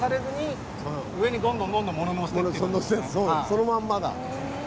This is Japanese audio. そのまんまだ。